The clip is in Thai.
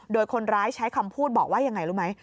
โดยคนร้ายใช้คำพูดบอกว่ายังไงรู้ไหม